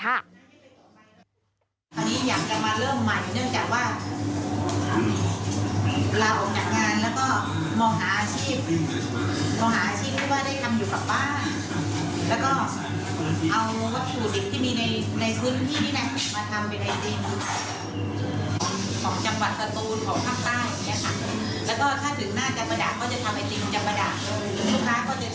อธิบัติเป็นผลไม้ที่อภิกษ์คงไม่ได้ชอบ